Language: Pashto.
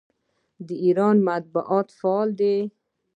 د ایران مطبوعات فعال دي.